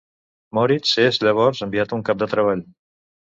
Moritz és llavors enviat a un camp de treball.